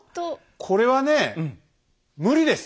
これはね無理です。